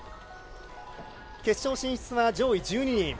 決勝進出は上位１２人。